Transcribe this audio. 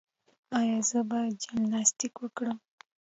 ایا زه باید جمناسټیک وکړم؟